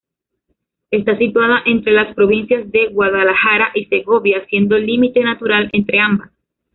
Está situada entre las provincias de Guadalajara y Segovia, siendo límite natural entre ambas.